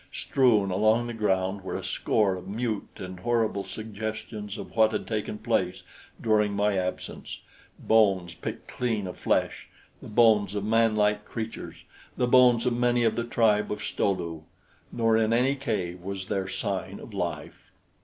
Strewn along the ground were a score of mute and horrible suggestions of what had taken place during my absence bones picked clean of flesh, the bones of manlike creatures, the bones of many of the tribe of Sto lu; nor in any cave was there sign of life.